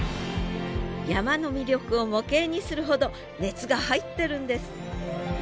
山の魅力を模型にするほど熱が入ってるんです